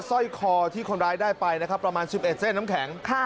สร้อยคอที่คนร้ายได้ไปนะคะประมาณสิบเอ็ดเส้นน้ำแข็งค่ะ